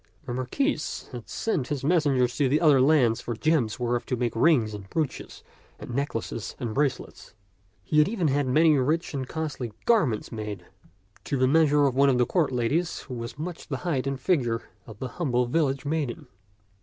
The Marquis had sent his mes sengers to other lands for gems whereof to make rings and brooches and necklaces and bracelets. He had even had many rich and costly garments made to the measure of one of the court ladies who was much the height and figure of the humble village maiden.